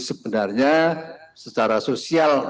sebenarnya secara sosial